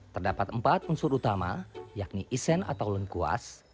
terdapat empat unsur utama yakni isen atau lengkuas